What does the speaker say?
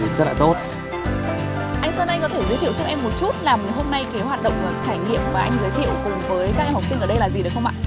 và anh giới thiệu cùng với các em học sinh ở đây là gì được không ạ